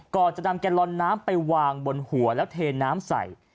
ก่อนจะนำแกลลอนน้ำไปวางบนหัวแล้วเทน้ำใส่